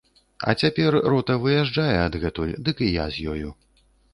А цяпер рота выязджае адгэтуль, дык і я з ёю.